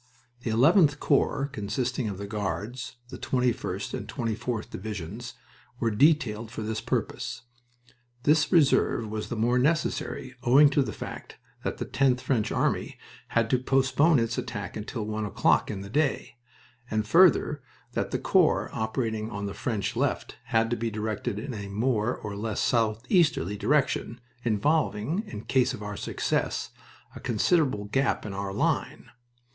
The 11th Corps, consisting of the Guards, the 21st and the 24th Divisions, were detailed for this purpose. This reserve was the more necessary owing to the fact that the Tenth French Army had to postpone its attack until one o'clock in the day; and further, that the corps operating on the French left had to be directed in a more or less southeasterly direction, involving, in case of our success, a considerable gap in our line.